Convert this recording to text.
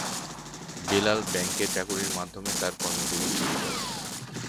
বেলাল ব্যাংকে চাকুরীর মাধ্যমে তার কর্মজীবন শুরু করেন।